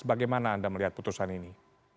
bagaimana anda melihat putusan ini